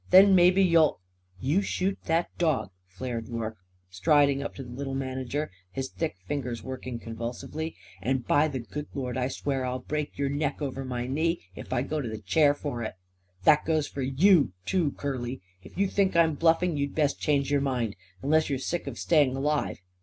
Then maybe you'll " "You shoot that dog," flared Rorke, striding up to the little manager, his thick fingers working convulsively, "and, by the good Lord, I swear I'll break your neck over my knee; if I go to the chair for it. That goes for you, too, Curly! If you think I'm bluffing, you'd best change your mind unless you're sick of staying alive.